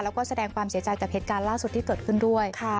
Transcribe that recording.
แล้วก็แสดงความเสียใจกับเหตุการณ์ล่าสุดที่เกิดขึ้นด้วย